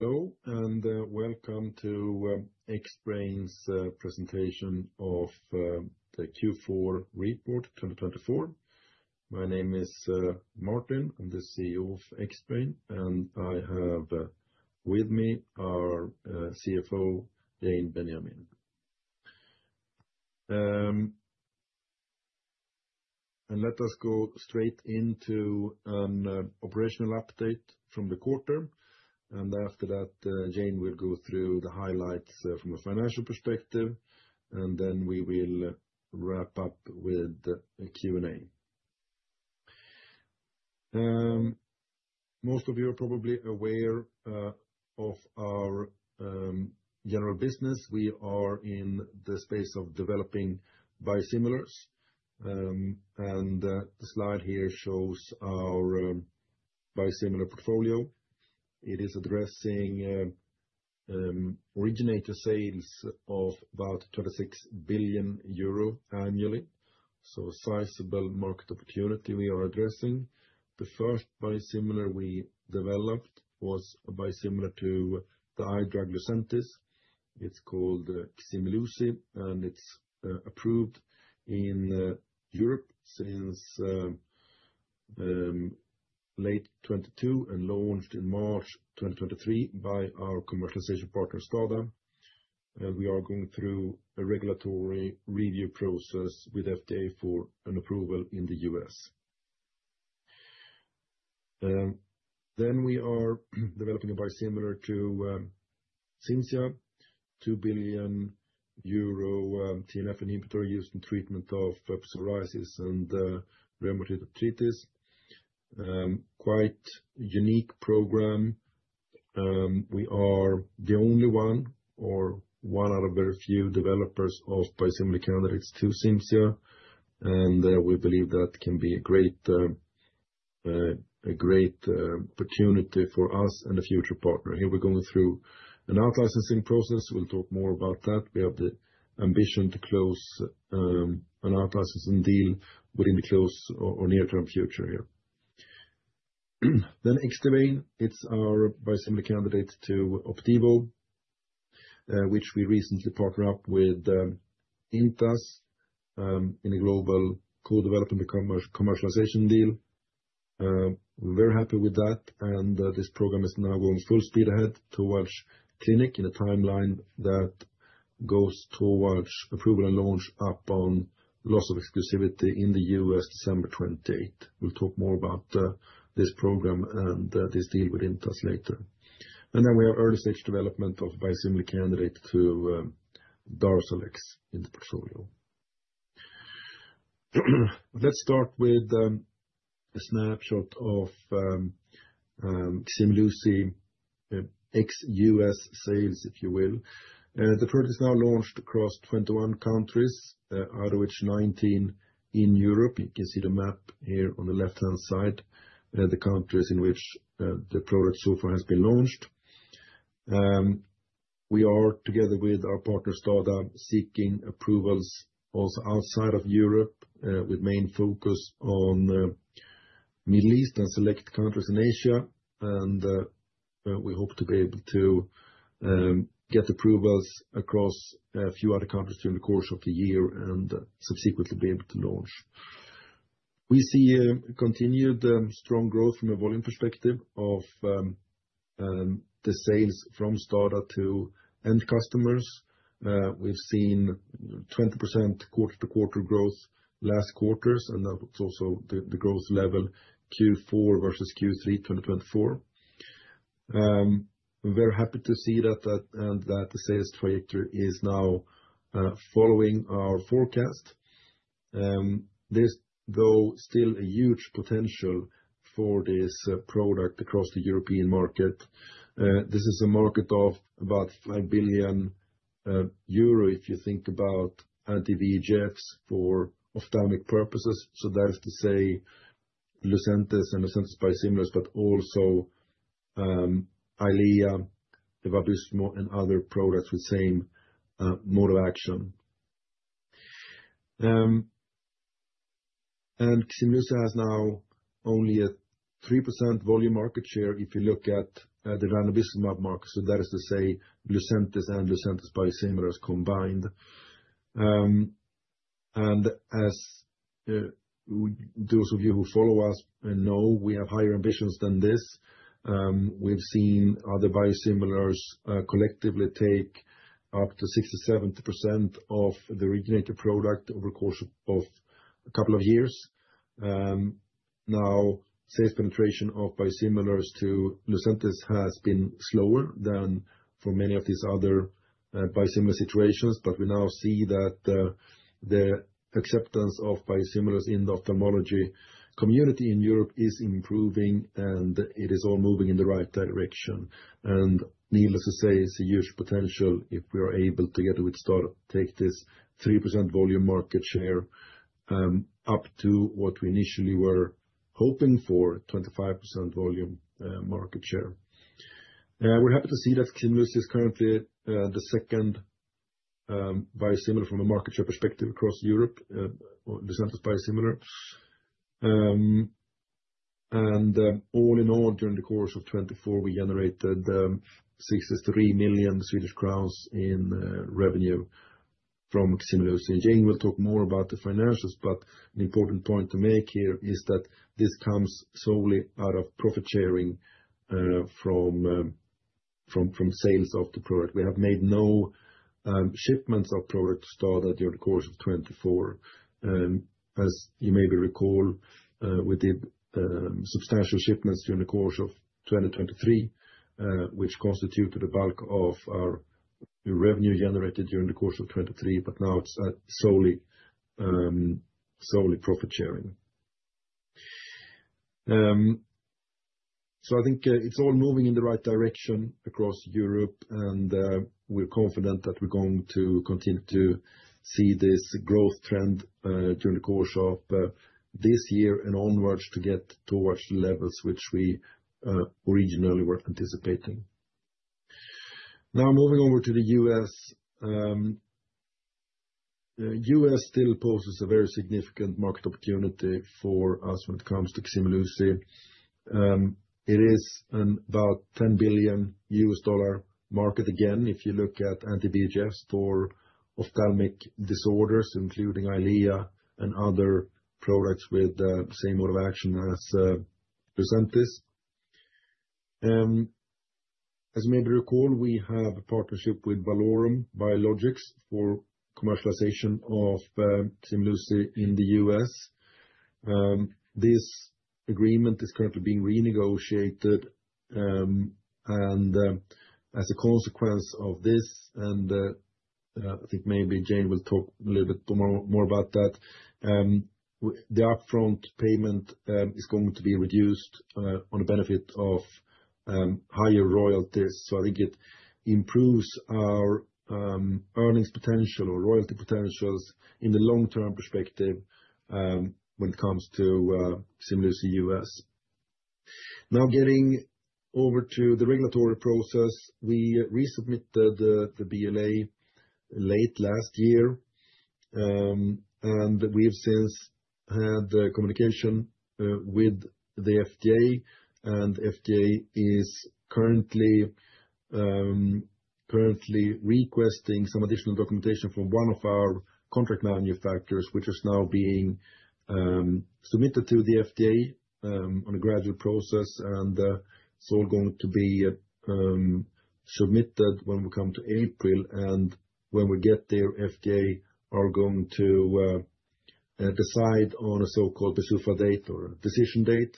Hello, and welcome to Xbrane's presentation of the Q4 report 2024. My name is Martin. I'm the CEO of Xbrane, and I have with me our CFO, Jane Benyamin. Let us go straight into an operational update from the quarter. After that, Jane will go through the highlights from a financial perspective, and then we will wrap up with a Q&A. Most of you are probably aware of our general business. We are in the space of developing biosimilars, and the slide here shows our biosimilar portfolio. It is addressing originator sales of about 26 billion euro annually. Sizable market opportunity we are addressing. The first biosimilar we developed was a biosimilar to the eye drug Lucentis. It's called Ximluci, and it's approved in Europe since late 2022 and launched in March 2023 by our commercialization partner, STADA. We are going through a regulatory review process with the FDA for an approval in the U.S. We are developing a biosimilar to Cimzia, 2 billion euro TNF inhibitor used in treatment of psoriasis and rheumatoid arthritis. Quite a unique program. We are the only one, or one out of very few developers of biosimilar candidates to Cimzia, and we believe that can be a great opportunity for us and a future partner. Here we are going through an outlicensing process. We will talk more about that. We have the ambition to close an outlicensing deal within the close or near-term future here. Xdivane is our biosimilar candidate to Opdivo, which we recently partnered up with Intas in a global co-development commercialization deal. We're very happy with that, and this program is now going full speed ahead towards clinic in a timeline that goes towards approval and launch upon loss of exclusivity in the U.S. December 28th. We'll talk more about this program and this deal with Intas later. We have early stage development of biosimilar candidate to Darzalex in the portfolio. Let's start with a snapshot of Ximluci ex-U.S. sales, if you will. The product is now launched across 21 countries, out of which 19 in Europe. You can see the map here on the left-hand side, the countries in which the product so far has been launched. We are together with our partner STADA seeking approvals also outside of Europe, with main focus on the Middle East and select countries in Asia. We hope to be able to get approvals across a few other countries during the course of the year and subsequently be able to launch. We see continued strong growth from a volume perspective of the sales from STADA to end customers. We have seen 20% quarter-to-quarter growth last quarter, and that is also the growth level Q4 versus Q3 2024. We are very happy to see that and that the sales trajectory is now following our forecast. There is though still a huge potential for this product across the European market. This is a market of about 5 billion euro if you think about anti-VEGFs for ophthalmic purposes. That is to say Lucentis and Lucentis biosimilars, but also Eylea, Eylea biosimilars, and other products with the same mode of action. Ximluci has now only a 3% volume market share if you look at the ranibizumab market. That is to say Lucentis and Lucentis biosimilars combined. As those of you who follow us know, we have higher ambitions than this. We have seen other biosimilars collectively take up to 60%-70% of the originator product over the course of a couple of years. Now, sales penetration of biosimilars to Lucentis has been slower than for many of these other biosimilar situations, but we now see that the acceptance of biosimilars in the ophthalmology community in Europe is improving, and it is all moving in the right direction. Neil, as I say, it is a huge potential if we are able together with STADA to take this 3% volume market share up to what we initially were hoping for, 25% volume market share. We are happy to see that Ximluci is currently the second biosimilar from a market share perspective across Europe, Lucentis biosimilar. All in all, during the course of 2024, we generated 63 million Swedish crowns in revenue from Ximluci. Jane will talk more about the financials, but an important point to make here is that this comes solely out of profit sharing from sales of the product. We have made no shipments of product to STADA during the course of 2024. As you may recall, we did substantial shipments during the course of 2023, which constituted the bulk of our revenue generated during the course of 2023, but now it is solely profit sharing. I think it is all moving in the right direction across Europe, and we are confident that we are going to continue to see this growth trend during the course of this year and onwards to get towards the levels which we originally were anticipating. Now, moving over to the U.S., U.S. still poses a very significant market opportunity for us when it comes to Ximluci. It is about $10 billion market again if you look at anti-VEGFs for ophthalmic disorders, including Eylea and other products with the same mode of action as Lucentis. As you may recall, we have a partnership with Valorum Biologics for commercialization of Ximluci in the U.S. This agreement is currently being renegotiated, and as a consequence of this, and I think maybe Jane will talk a little bit more about that, the upfront payment is going to be reduced on the benefit of higher royalties. I think it improves our earnings potential or royalty potentials in the long-term perspective when it comes to Ximluci U.S. Now, getting over to the regulatory process, we resubmitted the BLA late last year, and we've since had communication with the FDA, and FDA is currently requesting some additional documentation from one of our contract manufacturers, which is now being submitted to the FDA on a gradual process. It is all going to be submitted when we come to April, and when we get there, FDA are going to decide on a so-called decision date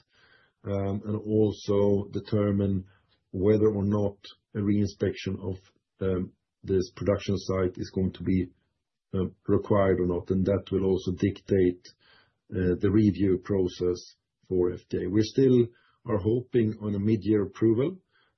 and also determine whether or not a reinspection of this production site is going to be required or not. That will also dictate the review process for FDA. We still are hoping on a mid-year approval,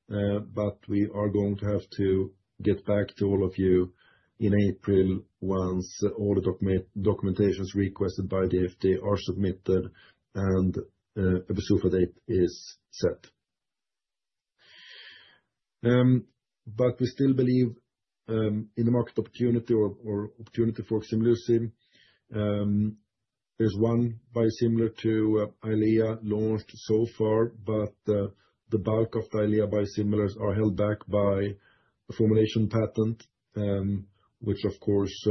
but we are going to have to get back to all of you in April once all the documentations requested by the FDA are submitted and a decision date is set. We still believe in the market opportunity or opportunity for Ximluci. There's one biosimilar to Eylea launched so far, but the bulk of the Eylea biosimilars are held back by a formulation patent, which of course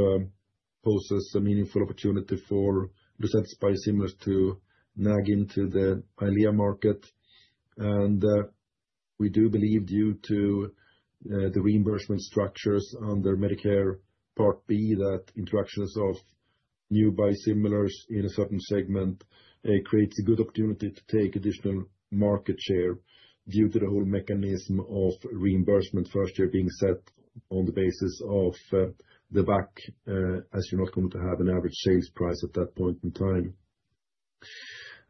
poses a meaningful opportunity for Lucentis biosimilars to gnaw into the Eylea market. We do believe due to the reimbursement structures under Medicare Part B that introductions of new biosimilars in a certain segment creates a good opportunity to take additional market share due to the whole mechanism of reimbursement first year being set on the basis of the back as you're not going to have an average sales price at that point in time.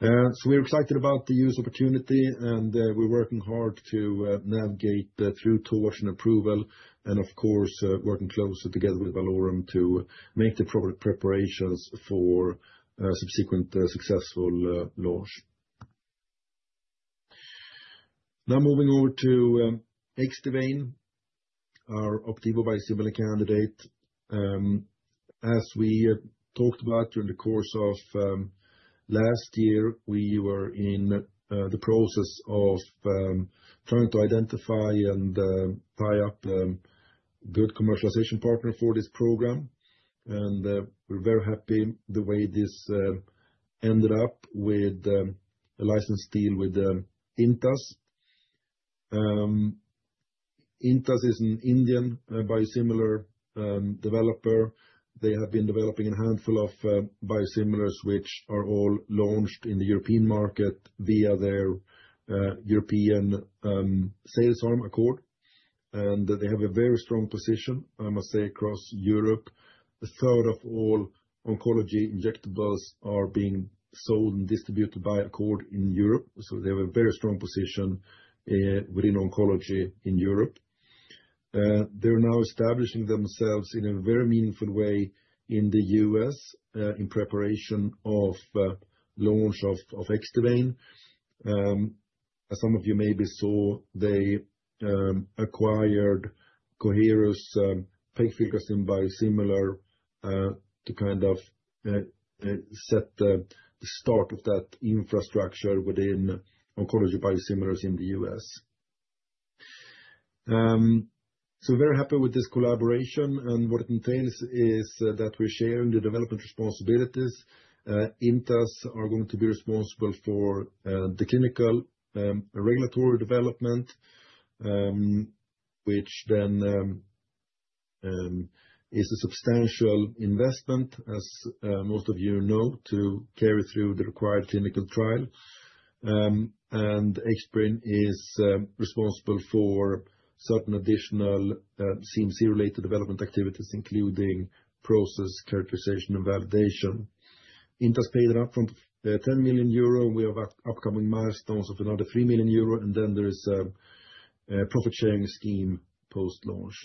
We're excited about the use opportunity, and we're working hard to navigate through towards an approval and of course working closer together with Valorum to make the product preparations for subsequent successful launch. Now moving over to Xdivane, our Opdivo biosimilar candidate. As we talked about during the course of last year, we were in the process of trying to identify and tie up a good commercialization partner for this program. We are very happy the way this ended up with a license deal with Intas. Intas is an Indian biosimilar developer. They have been developing a handful of biosimilars which are all launched in the European market via their European sales arm Accord. They have a very strong position, I must say, across Europe. A third of all oncology injectables are being sold and distributed by Accord in Europe. They have a very strong position within oncology in Europe. They are now establishing themselves in a very meaningful way in the U.S. in preparation of launch of Xdivane. As some of you maybe saw, they acquired Coherus' pegfilgrastim biosimilar to kind of set the start of that infrastructure within oncology biosimilars in the U.S. We are very happy with this collaboration, and what it entails is that we are sharing the development responsibilities. Intas are going to be responsible for the clinical regulatory development, which then is a substantial investment, as most of you know, to carry through the required clinical trial. Xbrane is responsible for certain additional CMC-related development activities, including process characterization and validation. Intas paid an upfront 10 million euro. We have upcoming milestones of another 3 million euro, and then there is a profit sharing scheme post-launch.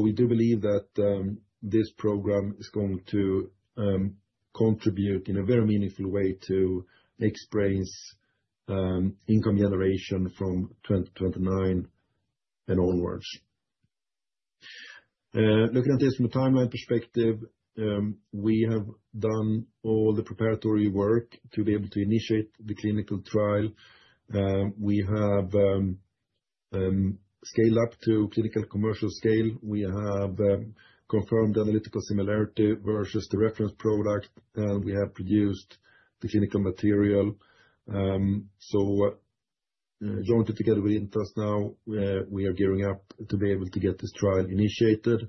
We do believe that this program is going to contribute in a very meaningful way to Xbrane's income generation from 2029 and onwards. Looking at this from a timeline perspective, we have done all the preparatory work to be able to initiate the clinical trial. We have scaled up to clinical commercial scale. We have confirmed analytical similarity versus the reference product, and we have produced the clinical material. Joined together with Intas now, we are gearing up to be able to get this trial initiated.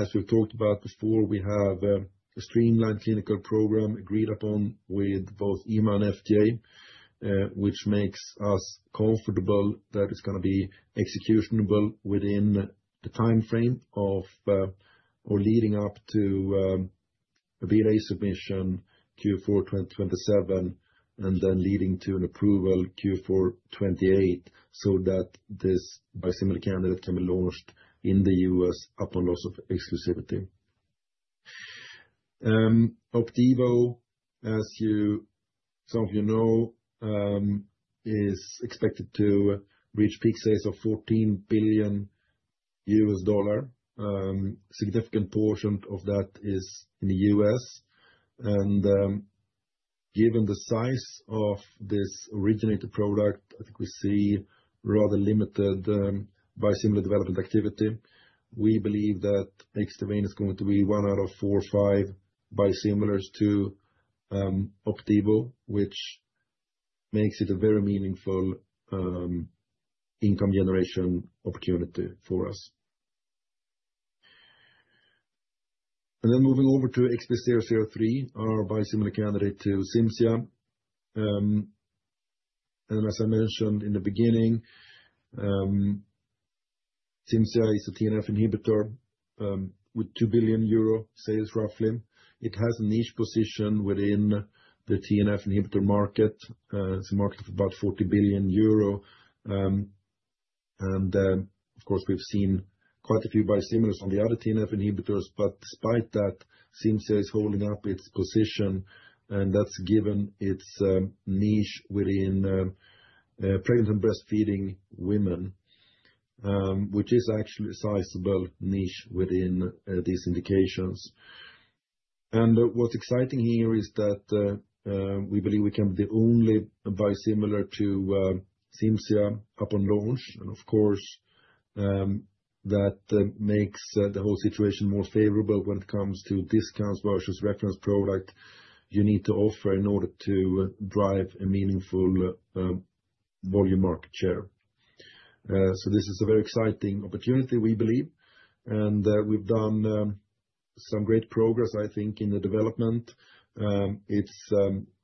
As we've talked about before, we have a streamlined clinical program agreed upon with both EMA and FDA, which makes us comfortable that it's going to be executionable within the timeframe of or leading up to a BLA submission Q4 2027 and then leading to an approval Q4 2028 so that this biosimilar candidate can be launched in the U.S. upon loss of exclusivity. Opdivo, as some of you know, is expected to reach peak sales of $14 billion. significant portion of that is in the U.S. Given the size of this originator product, I think we see rather limited biosimilar development activity. We believe that Xdivane is going to be one out of four or five biosimilars to Opdivo, which makes it a very meaningful income generation opportunity for us. Moving over to XB003, our biosimilar candidate to Cimzia. As I mentioned in the beginning, Cimzia is a TNF inhibitor with 2 billion euro sales, roughly. It has a niche position within the TNF inhibitor market. It's a market of about 40 billion euro. Of course, we've seen quite a few biosimilars on the other TNF inhibitors, but despite that, Cimzia is holding up its position, and that's given its niche within pregnant and breastfeeding women, which is actually a sizable niche within these indications. What's exciting here is that we believe we can be the only biosimilar to Cimzia upon launch. Of course, that makes the whole situation more favorable when it comes to discounts versus reference product you need to offer in order to drive a meaningful volume market share. This is a very exciting opportunity, we believe. We've done some great progress, I think, in the development. It's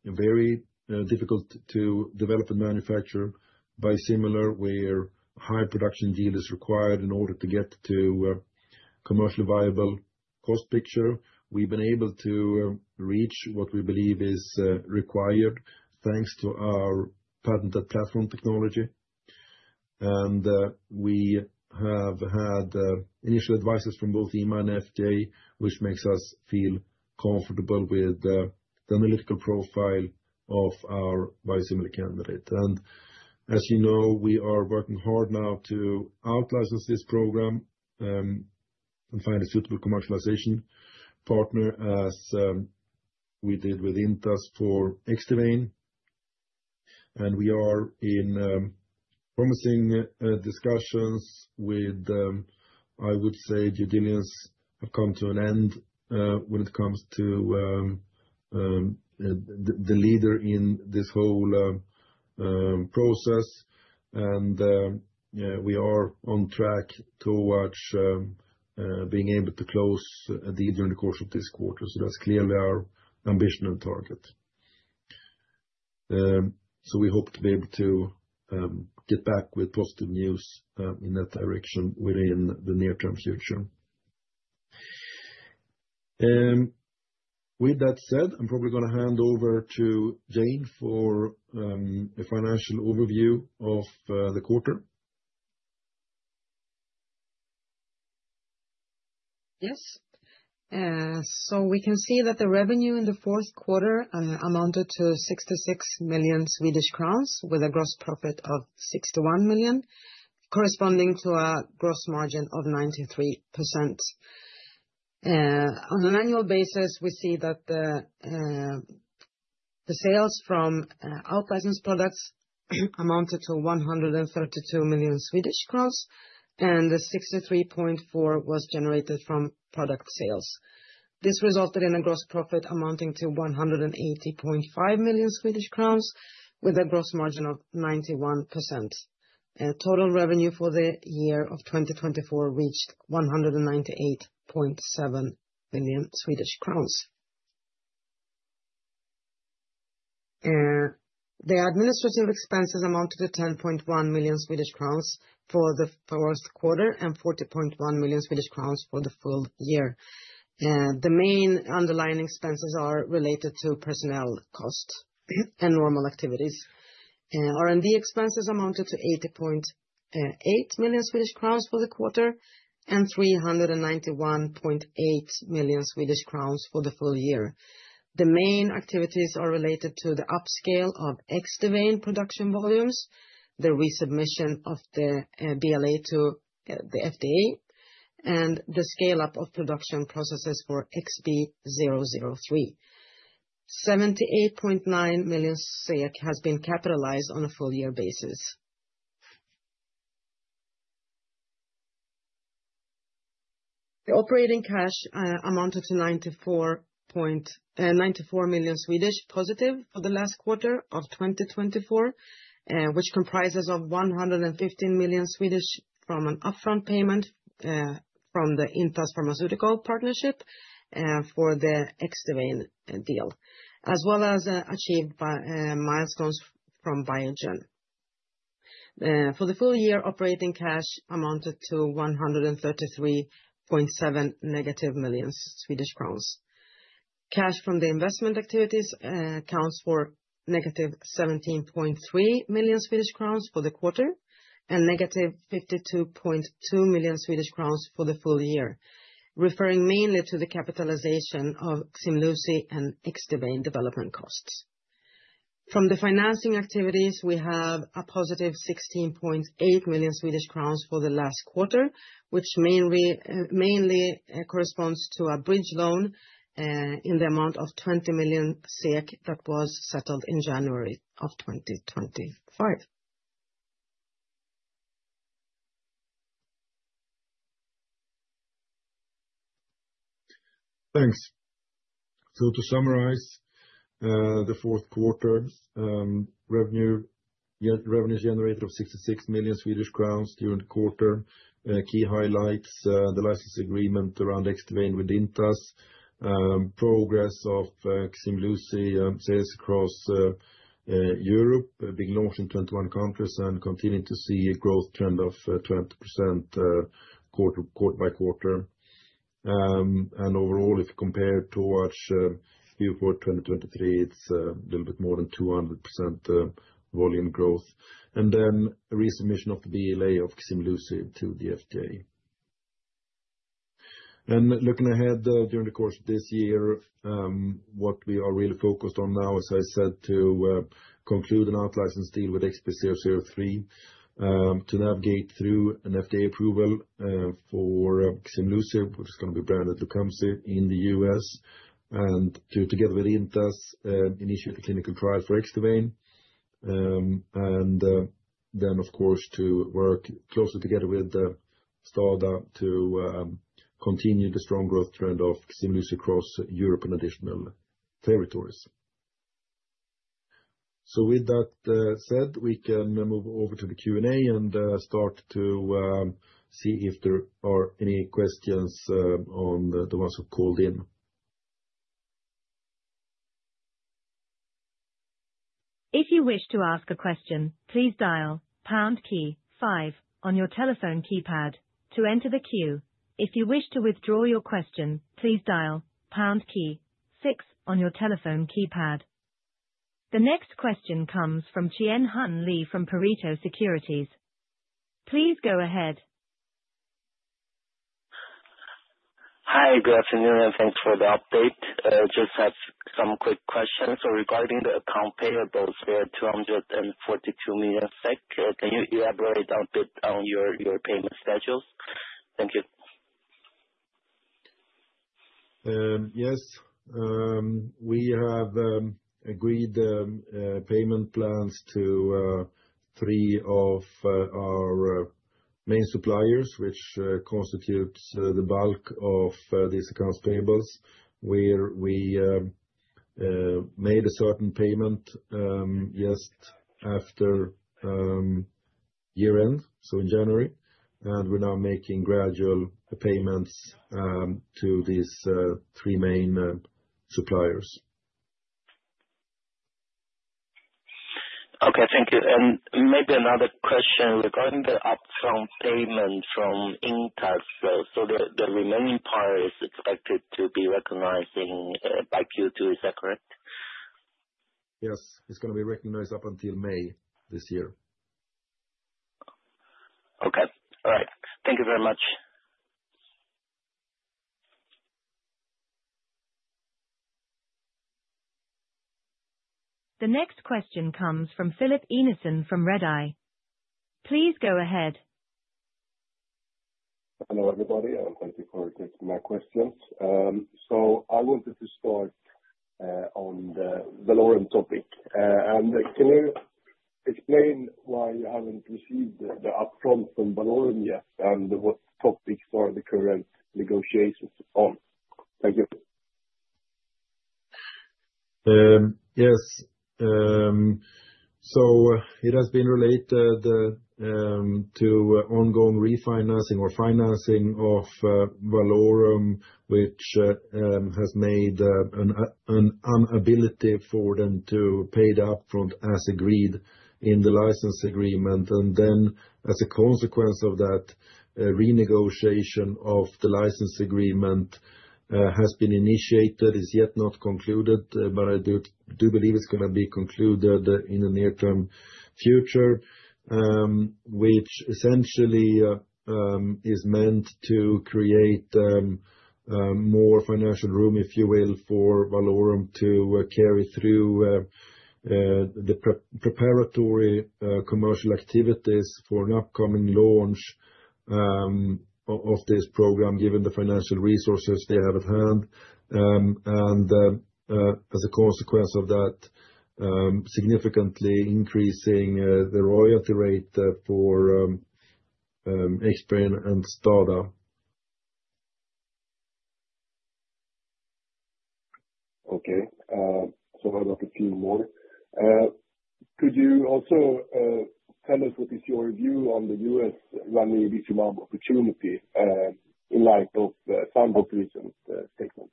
very difficult to develop and manufacture a biosimilar where high production yield is required in order to get to a commercially viable cost picture. We've been able to reach what we believe is required thanks to our patented platform technology. We have had initial advices from both EMA and FDA, which makes us feel comfortable with the analytical profile of our biosimilar candidate. As you know, we are working hard now to out-license this program and find a suitable commercialization partner, as we did with Intas for Xdivane. We are in promising discussions with, I would say, due diligence has come to an end when it comes to the leader in this whole process. We are on track towards being able to close a deal during the course of this quarter. That is clearly our ambition and target. We hope to be able to get back with positive news in that direction within the near-term future. With that said, I am probably going to hand over to Jane for a financial overview of the quarter. Yes. We can see that the revenue in the fourth quarter amounted to 66 million Swedish crowns with a gross profit of 61 million, corresponding to a gross margin of 93%. On an annual basis, we see that the sales from out-licensed products amounted to 132 million Swedish crowns, and 63.4 million was generated from product sales. This resulted in a gross profit amounting to 180.5 million Swedish crowns with a gross margin of 91%. Total revenue for the year of 2024 reached 198.7 million Swedish crowns. The administrative expenses amounted to 10.1 million for the fourth quarter and 40.1 million Swedish crowns for the full year. The main underlying expenses are related to personnel costs and normal activities. R&D expenses amounted to 80.8 million Swedish crowns for the quarter and 391.8 million Swedish crowns for the full year. The main activities are related to the upscale of Xdivane production volumes, the resubmission of the BLA to the FDA, and the scale-up of production processes for XB003. 78.9 million has been capitalized on a full-year basis. The operating cash amounted to 94 million positive for the last quarter of 2024, which comprises of 115 million from an upfront payment from the Intas Pharmaceuticals partnership for the Xdivane deal, as well as achieved milestones from Biogen. For the full year, operating cash amounted to 133.7 million Swedish crowns. Cash from the investment activities accounts for negative 17.3 million Swedish crowns for the quarter and negative 52.2 million Swedish crowns for the full year, referring mainly to the capitalization of Ximluci and Xdivane development costs. From the financing activities, we have a positive 16.8 million Swedish crowns for the last quarter, which mainly corresponds to a bridge loan in the amount of 20 million SEK that was settled in January of 2025. Thanks. To summarize the fourth quarter, revenue generated of 66 million Swedish crowns during the quarter. Key highlights: the license agreement around Xdivane with Intas, progress of Ximluci sales across Europe, being launched in 21 countries and continuing to see a growth trend of 20% quarter-by-quarter. Overall, if you compare towards Q4 2023, it is a little bit more than 200% volume growth. The resubmission of the BLA of Ximluci to the FDA. Looking ahead during the course of this year, what we are really focused on now, as I said, is to conclude an out-license deal with XB003, to navigate through an FDA approval for Ximluci, which is going to be branded Lucamzi in the U.S., and to together with Intas initiate a clinical trial for Xdivane. Of course, to work closely together with STADA to continue the strong growth trend of Ximluci across Europe and additional territories. With that said, we can move over to the Q&A and start to see if there are any questions on the ones who called in. If you wish to ask a question, please dial pound key five on your telephone keypad to enter the queue. If you wish to withdraw your question, please dial pound key six on your telephone keypad. The next question comes from Qian Hun Li from Pareto Securities. Please go ahead. Hi, good afternoon, and thanks for the update. Just have some quick questions. Regarding the account payables for SEK 242 million, can you elaborate a bit on your payment schedules? Thank you. Yes. We have agreed payment plans to three of our main suppliers, which constitutes the bulk of these accounts payables, where we made a certain payment just after year-end, in January. We're now making gradual payments to these three main suppliers. Okay, thank you. Maybe another question regarding the upfront payment from Intas. The remaining part is expected to be recognized by Q2. Is that correct? Yes. It's going to be recognized up until May this year. Okay. All right. Thank you very much. The next question comes from Philip Eneison from Redeye. Please go ahead. Hello, everybody, and thank you for taking my questions. I wanted to start on the Valorum topic. Can you explain why you haven't received the upfront from Valorum yet and what topics are the current negotiations on? Thank you. Yes. It has been related to ongoing refinancing or financing of Valorum, which has made an inability for them to pay the upfront as agreed in the license agreement. As a consequence of that, renegotiation of the license agreement has been initiated. It is yet not concluded, but I do believe it is going to be concluded in the near-term future, which essentially is meant to create more financial room, if you will, for Valorum to carry through the preparatory commercial activities for an upcoming launch of this program, given the financial resources they have at hand. As a consequence of that, significantly increasing the royalty rate for Xdivane and STADA. Okay. I got a few more. Could you also tell us what is your view on the U.S. ranibizumab opportunity in light of Sandoz's recent statement?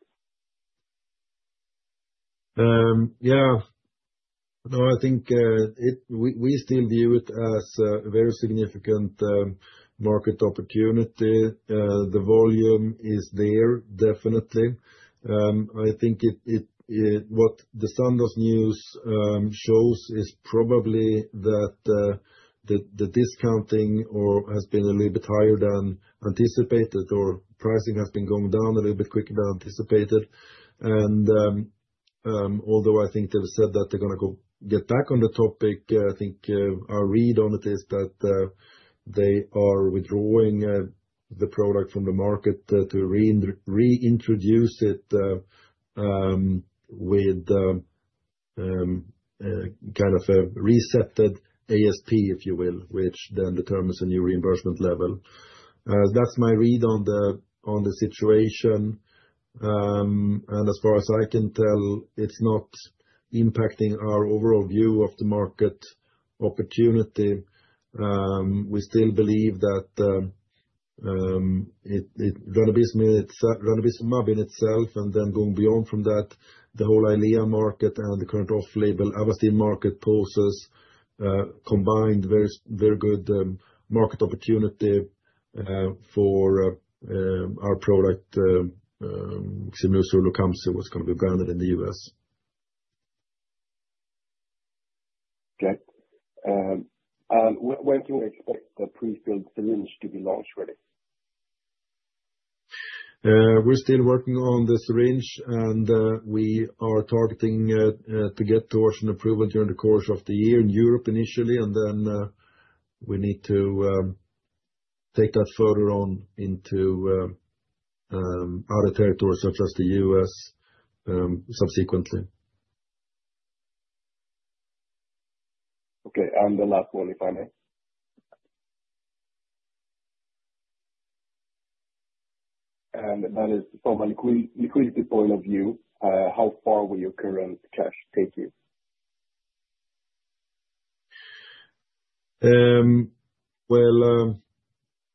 Yeah. No, I think we still view it as a very significant market opportunity. The volume is there, definitely. I think what the Sandoz news shows is probably that the discounting has been a little bit higher than anticipated, or pricing has been going down a little bit quicker than anticipated. Although I think they've said that they're going to get back on the topic, I think our read on it is that they are withdrawing the product from the market to reintroduce it with kind of a resetted ASP, if you will, which then determines a new reimbursement level. That's my read on the situation. As far as I can tell, it's not impacting our overall view of the market opportunity. We still believe that ranibizumab in itself, and then going beyond from that, the whole Eylea market and the current off-label Avastin market poses combined very good market opportunity for our product, Ximluci or Lucamzi, what's going to be branded in the U.S. Okay. When can we expect the pre-filled syringe to be launched ready? We're still working on the syringe, and we are targeting to get towards an approval during the course of the year in Europe initially, and then we need to take that further on into other territories such as the U.S. subsequently. Okay. The last one, if I may. That is from a liquidity point of view, how far will your current cash take you?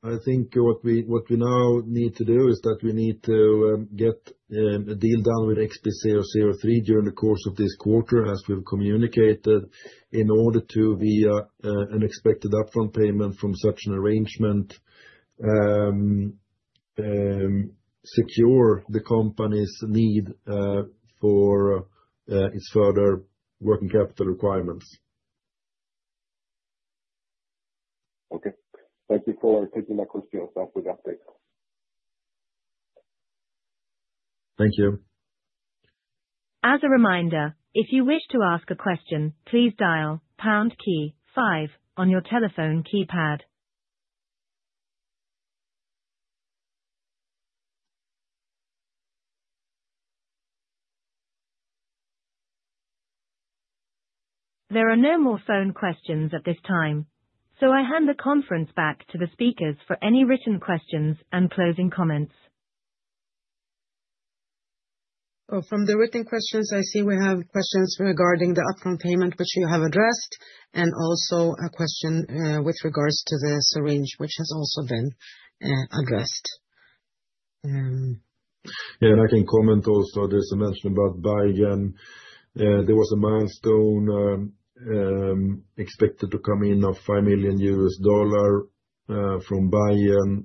I think what we now need to do is that we need to get a deal done with XB003 during the course of this quarter, as we've communicated, in order to, via an expected upfront payment from such an arrangement, secure the company's need for its further working capital requirements. Okay. Thank you for taking the questions off with that. Thank you. As a reminder, if you wish to ask a question, please dial pound key five on your telephone keypad. There are no more phone questions at this time, so I hand the conference back to the speakers for any written questions and closing comments. From the written questions, I see we have questions regarding the upfront payment, which you have addressed, and also a question with regards to the syringe, which has also been addressed. Yeah, and I can comment also. There's a mention about Biogen. There was a milestone expected to come in of $5 million from Biogen.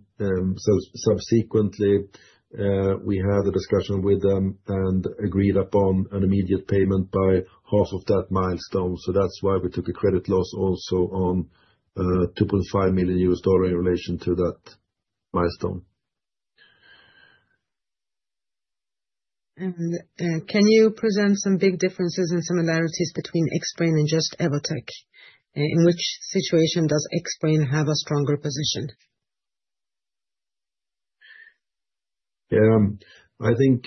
Subsequently, we had a discussion with them and agreed upon an immediate payment by half of that milestone. That's why we took a credit loss also on $2.5 million in relation to that milestone. Can you present some big differences and similarities between Xbrane and just Alvotech? In which situation does Xbrane have a stronger position? Yeah. I think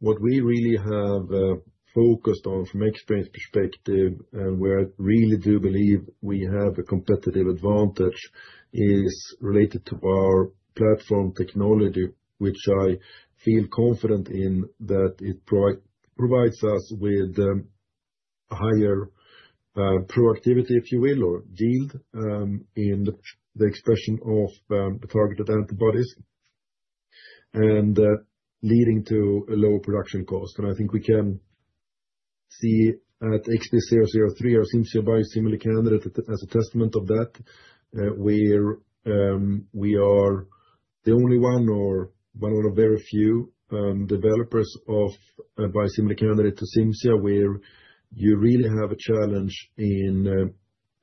what we really have focused on from Xbrane's perspective, and where I really do believe we have a competitive advantage, is related to our platform technology, which I feel confident in that it provides us with a higher productivity, if you will, or yield in the expression of targeted antibodies and leading to a lower production cost. I think we can see at XB003 or Cimzia biosimilar candidate as a testament of that, where we are the only one or one of very few developers of biosimilar candidate to Cimzia, where you really have a challenge in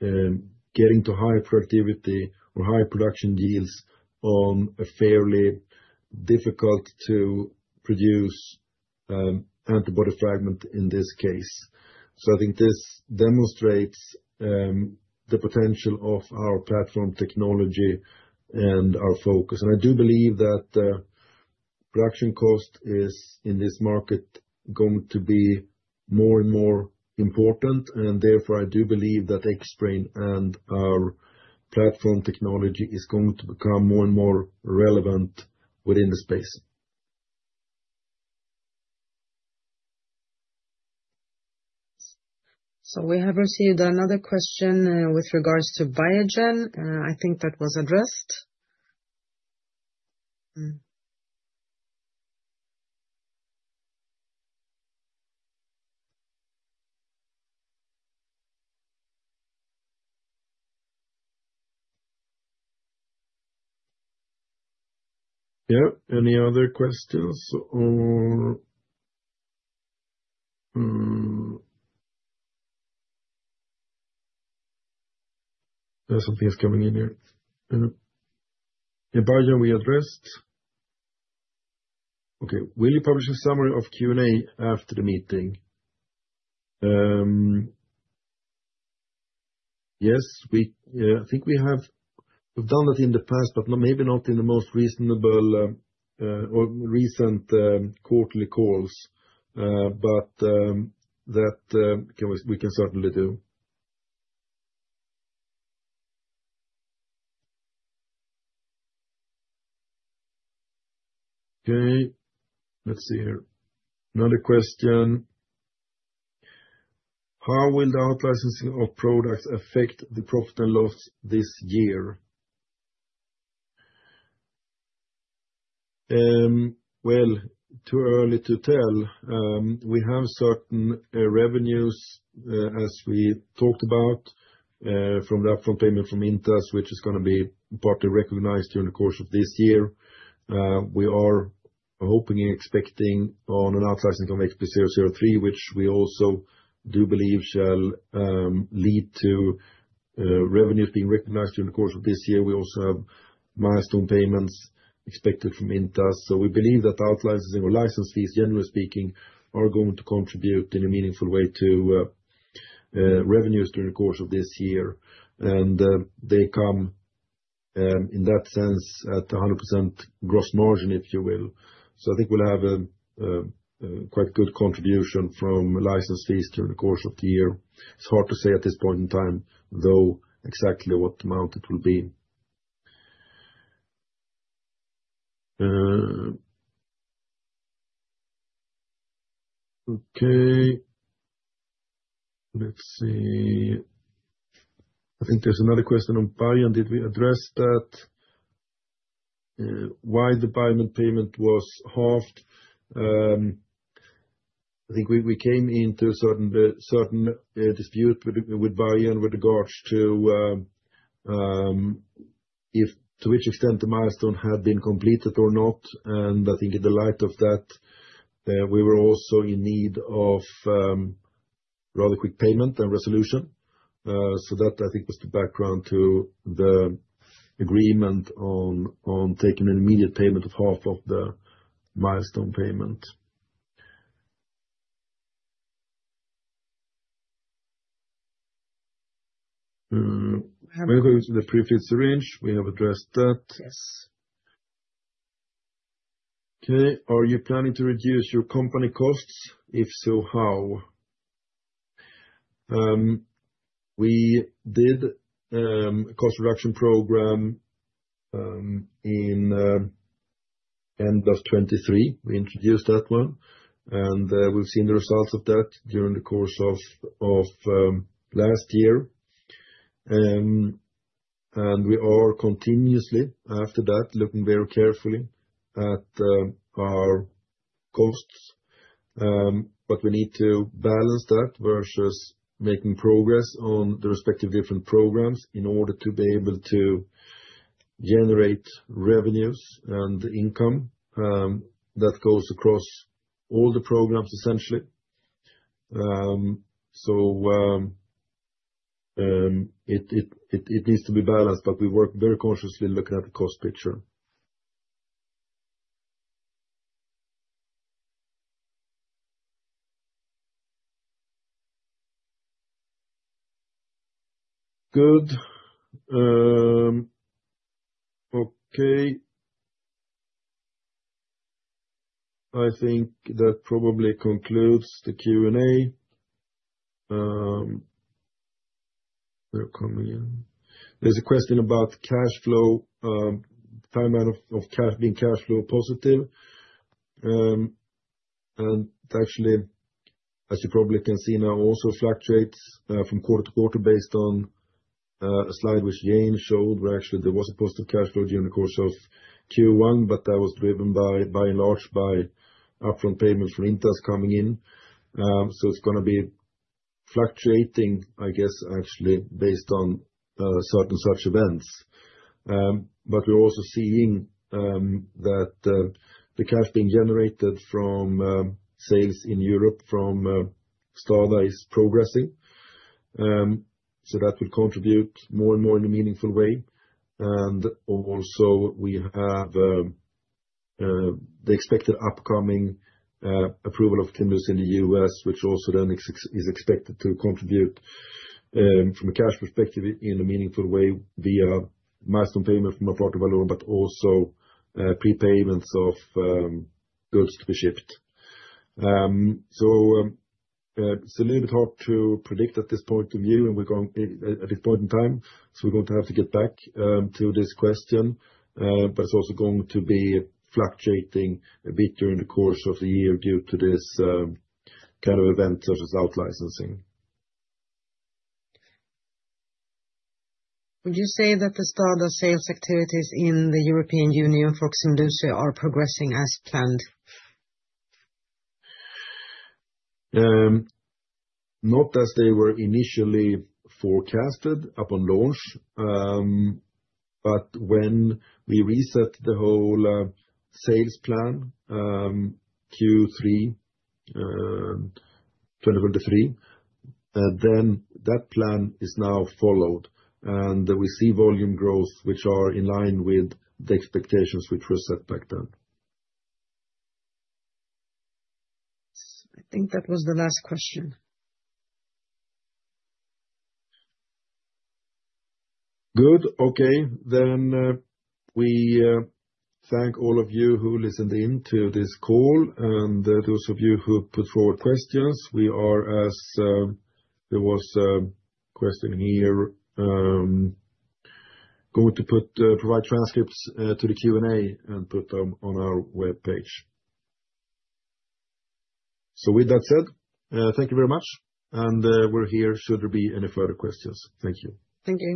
getting to high productivity or high production yields on a fairly difficult-to-produce antibody fragment in this case. I think this demonstrates the potential of our platform technology and our focus. I do believe that production cost is, in this market, going to be more and more important. Therefore, I do believe that Xbrane and our platform technology is going to become more and more relevant within the space. We have received another question with regards to Biogen. I think that was addressed. Yeah. Any other questions? Something is coming in here. Yeah. Biogen, we addressed. Okay. Will you publish a summary of Q&A after the meeting? Yes. I think we have done that in the past, but maybe not in the most recent quarterly calls. That we can certainly do. Okay. Let's see here. Another question. How will the out-licensing of products affect the profit and loss this year? Too early to tell. We have certain revenues, as we talked about, from the upfront payment from Intas, which is going to be partly recognized during the course of this year. We are hoping and expecting on an out-licensing of XB003, which we also do believe shall lead to revenues being recognized during the course of this year. We also have milestone payments expected from Intas. We believe that out-licensing or license fees, generally speaking, are going to contribute in a meaningful way to revenues during the course of this year. They come, in that sense, at 100% gross margin, if you will. I think we'll have a quite good contribution from license fees during the course of the year. It's hard to say at this point in time, though, exactly what amount it will be. Okay. Let's see. I think there's another question on Biogen. Did we address that? Why the Biogen payment was halved? I think we came into a certain dispute with Biogen with regards to to which extent the milestone had been completed or not. I think in the light of that, we were also in need of rather quick payment and resolution. That, I think, was the background to the agreement on taking an immediate payment of half of the milestone payment. We have the pre-filled syringe. We have addressed that. Yes. Okay. Are you planning to reduce your company costs? If so, how? We did a cost reduction program in end of 2023. We introduced that one. We have seen the results of that during the course of last year. We are continuously, after that, looking very carefully at our costs. But we need to balance that versus making progress on the respective different programs in order to be able to generate revenues and income that goes across all the programs, essentially. It needs to be balanced, but we work very cautiously looking at the cost picture. Good. Okay. I think that probably concludes the Q&A. There's a question about cash flow, time out of being cash flow positive. Actually, as you probably can see now, also fluctuates from quarter-to-quarter based on a slide which Jane showed, where actually there was a positive cash flow during the course of Q1, but that was driven by enlarged by upfront payments from Intas coming in. It is going to be fluctuating, I guess, actually based on certain such events. We are also seeing that the cash being generated from sales in Europe from STADA is progressing. That will contribute more and more in a meaningful way. Also, we have the expected upcoming approval of Ximluci in the U.S., which also then is expected to contribute from a cash perspective in a meaningful way via milestone payment from Valorum, but also pre-payments of goods to be shipped. It is a little bit hard to predict at this point of view, and at this point in time. We are going to have to get back to this question. It is also going to be fluctuating a bit during the course of the year due to this kind of event such as out-licensing. Would you say that the STADA sales activities in the European Union for Ximluci are progressing as planned? Not as they were initially forecasted upon launch. When we reset the whole sales plan Q3, 2023, that plan is now followed. We see volume growth, which are in line with the expectations which were set back then. I think that was the last question. Good. Okay. We thank all of you who listened in to this call and those of you who put forward questions. We are, as there was a question here, going to provide transcripts to the Q&A and put them on our web page. With that said, thank you very much. We are here should there be any further questions. Thank you. Thank you.